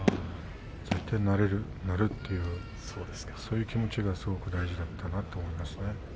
絶対になれる、なるというそういう気持ちがすごく大事だったなと思います。